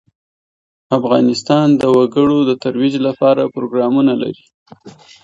افغانستان د وګړي د ترویج لپاره پروګرامونه لري.